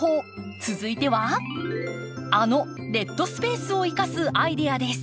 続いてはあのデッドスペースを生かすアイデアです。